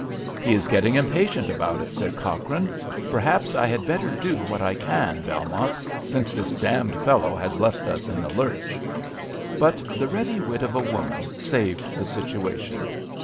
"He is getting impatient about it," said Cochrane. "Perhaps I had better do what I can, Belmont, since this damned fellow has left us in the lurch." But the ready wit of a woman saved the situation.